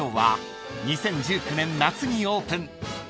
［２０１９年夏にオープン］